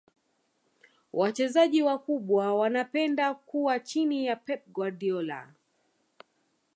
wachezaji wakubwa wanapenda kuwa chini ya pep guardiola